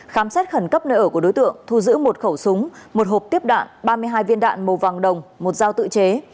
khám xét khẩn cấp nơi ở của đối tượng thu giữ một khẩu súng một hộp tiếp đạn ba mươi hai viên đạn màu vàng đồng một dao tự chế